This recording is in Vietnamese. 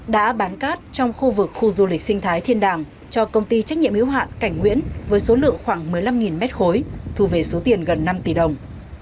đã bán cát trong khu vực khu du lịch sinh thái thiên đàng cho công ty trách nhiệm hiếu hạn cảnh nguyễn với số lượng khoảng một mươi năm mét khối thu về số tiền gần năm tỷ đồng